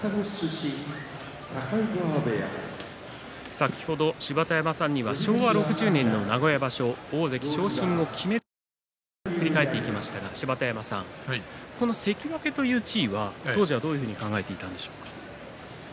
先ほど、芝田山さんには昭和６０年の名古屋場所大関昇進を決めた場所を振り返っていただきましたが関脇という地位は当時はどういうふうに考えていたんでしょうか。